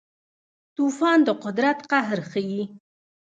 طوفان د قدرت قهر ښيي.